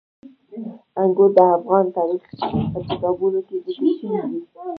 انګور د افغان تاریخ په کتابونو کې ذکر شوي دي.